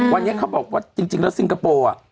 วันนี้เขาบอกว่าจริงแล้วซิงคโปร์